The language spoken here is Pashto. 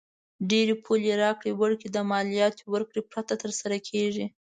ډېری پولي راکړې ورکړې د مالیاتو ورکړې پرته تر سره کیږي.